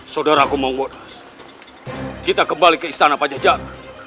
sudara gombongbona kita kembali ke istana batu jahat